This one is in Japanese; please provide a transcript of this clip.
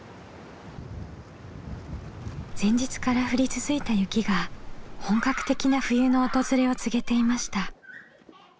前日から降り続いた雪が本格的な冬の訪れを告げていました。